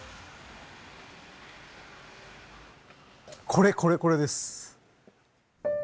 これこれこれです。